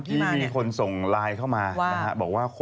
พี่ชอบแซงไหลทางอะเนาะ